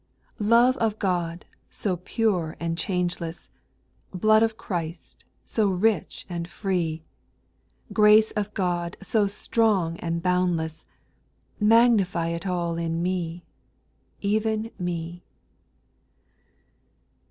424 SPIRITUAL 80N0S, 6. Love of God, so pure and changeless I Blood of Christ, so rich and free ! Grace of God, so strong and boundless I Magnify it all in me, — Even me.